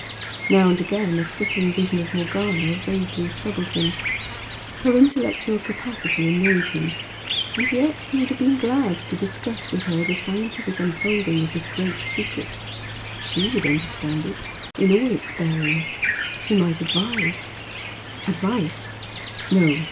Now and again a flitting vision of Morgana vaguely troubled him, her intellectual capacity annoyed him, and yet he would have been glad to discuss with her the scientific unfolding of his great secret she would understand it in all its bearings, she might advise Advice! no!